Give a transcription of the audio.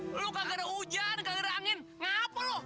lu kagak ada hujan kagak ada angin ngapain lu